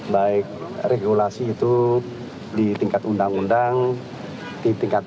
baik regulasi itu di tingkat undang undang di tingkat